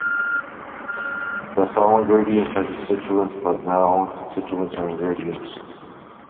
Thus all ingredients are constituents, but not all constituents are ingredients.